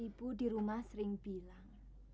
ibu di rumah sering bilang